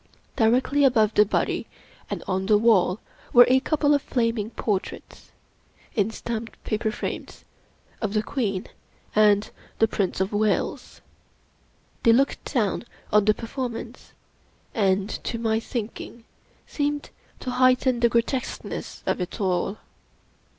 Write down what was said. Directly above the body and on the wall were a couple of flaming portraits, in stamped paper frames, of the Queen and the Prince of Wales. They looked down on the performance, and, to my thinking, seemed to heighten the grotesqueness of it all.